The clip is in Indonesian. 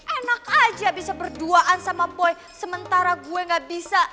enak aja bisa berduaan sama boy sementara gue gak bisa